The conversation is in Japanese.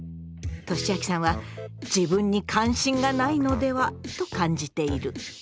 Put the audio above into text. としあきさんは自分に関心がないのではと感じている。